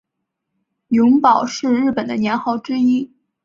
永保是日本的年号之一。